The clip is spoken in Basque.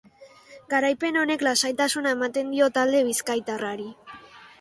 Garaipen honek lasaitasuna ematen dio talde bizkaitarrari.